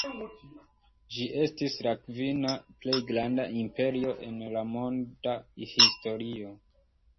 Ĝi estis la kvina plej granda imperio en la monda historio.